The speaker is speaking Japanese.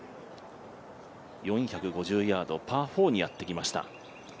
４５０ヤード、パー４にやってきました。